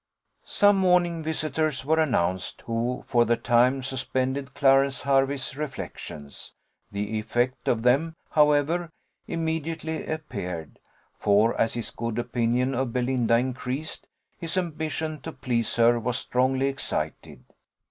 Some morning visitors were announced, who for the time suspended Clarence Hervey's reflections: the effect of them, however, immediately appeared; for as his good opinion of Belinda increased, his ambition to please her was strongly excited.